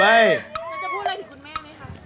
เราจะพูดอะไรถึงคุณแม่นะครับ